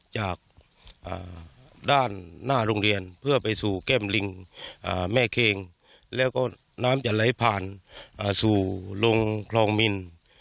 จากด้านหน้าโรงเรียนเพื่อไปสู่แก้มลิงแม่เคงแล้วก็น้ำจะไหลผ่านสู่ลงคลองมิน